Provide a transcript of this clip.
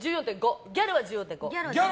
ギャルは１４．５。